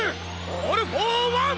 オールフォーワン！